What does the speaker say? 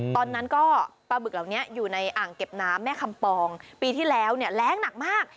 ตอนนั้นก็ปลาบึกเหล่านี้อยู่ในอ่างเก็บน้ำแม่คำปองปีที่แล้วเนี่ยแรงหนักมาก